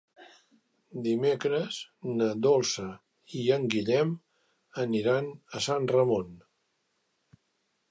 Dimecres na Dolça i en Guillem aniran a Sant Ramon.